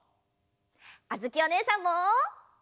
あづきおねえさんも！